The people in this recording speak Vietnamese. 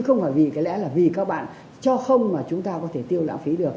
không phải vì các bạn nhật cho không mà chúng ta có quyền tiêu lãng phí